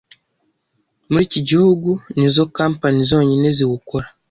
muri iki gihugu.nizo company zonyine ziwukora